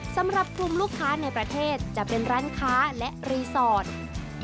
สำหรับกลุ่มลูกค้าในประเทศจะเป็นร้านค้าและรีสอร์ท